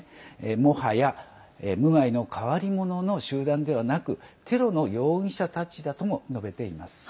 もはや無害の変わり者の集団ではなくテロの容疑者たちだとも述べています。